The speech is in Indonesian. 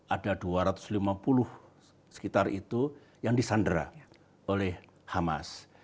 ada dua ratus lima puluh sekitar itu yang disandera oleh hamas